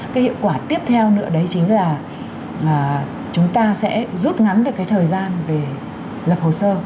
cái hiệu quả tiếp theo nữa đấy chính là chúng ta sẽ rút ngắn được cái thời gian về lập hồ sơ